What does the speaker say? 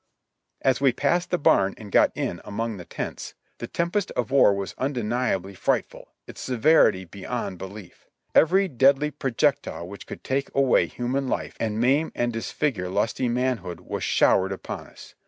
As we passed the barn and got in among the tents, the tempest of war was undeniably frightful, its severity beyond belief. Every deadly projectile which could take away human life and maim and disfigure lusty manhood was showered upon us.